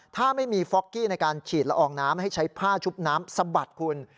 ถ้าไม่มีฟอกกี้ในการฉีดละอองน้ำให้ใช้ผ้าชุบน้ำสะบัดคุณ